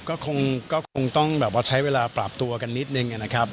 ก็คงต้องแบบว่าใช้เวลาปรับตัวกันนิดนึงนะครับ